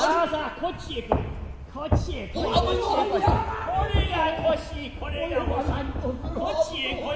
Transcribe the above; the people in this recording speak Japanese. こちへ来い。